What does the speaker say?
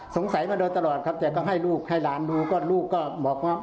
มาโดยตลอดครับแต่ก็ให้ลูกให้หลานดูก็ลูกก็บอกว่า